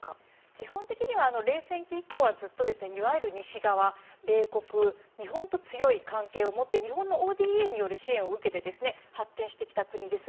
基本的には冷戦期以降はずっと、いわゆる西側米国、日本と強い関係を持って日本のＯＤＡによる支援を受けて発展してきた国です。